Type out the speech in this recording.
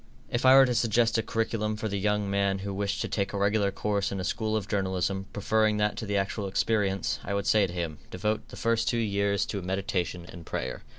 If I were to suggest a curriculum for the young man who wished to take a regular course in a school of journalism, preferring that to the actual experience, I would say to him, devote the first two years to meditation and prayer.